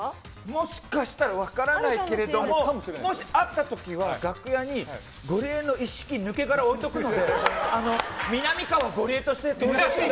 もしかしたら分からないけれどももし、あった時は楽屋にゴリエの一式抜け殻を置いておくのでみなみかわゴリエとして。